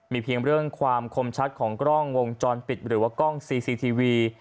เพียงเรื่องความคมชัดของกล้องวงจรปิดหรือว่ากล้องซีซีทีวี